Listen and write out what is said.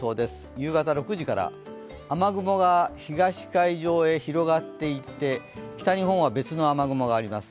夕方６時から、雨雲が東海上へ広がっていって、北日本は別の雨雲があります。